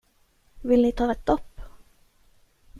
Vill ni ta ett dopp?